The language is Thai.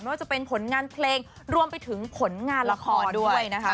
ว่าจะเป็นผลงานเพลงรวมไปถึงผลงานละครด้วยนะคะ